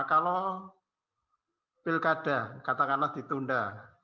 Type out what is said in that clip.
kalau pilkada katakanlah ditunda